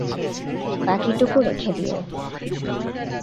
বাকিটুকু রেখে দিও।